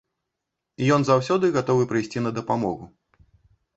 Ён заўсёды гатовы прыйсці на дапамогу.